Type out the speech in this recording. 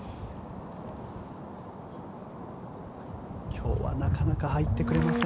今日はなかなか入ってくれません。